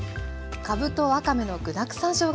かぶとわかめの具だくさんしょうが